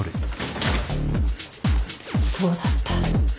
そうだった。